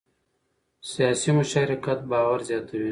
سیاسي مشارکت باور زیاتوي